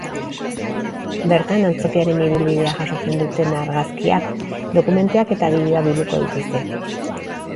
Bertan, antzokiaren ibilbidea jasotzen dutenargazkiak, dokumentuak eta bideoak bilduko dituzte.